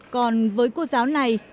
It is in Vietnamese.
còn với cô giáo này